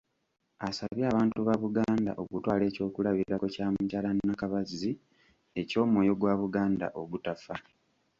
Asabye abantu ba Buganda okutwala eky'okulabirako kya Mukyala Nakabazzi eky'omwoyo gwa Buganda ogutafa.